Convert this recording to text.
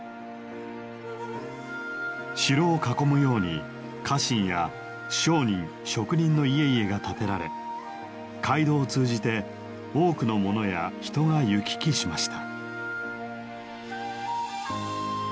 城を囲むように家臣や商人職人の家々が建てられ街道を通じて多くのものや人が行き来しました。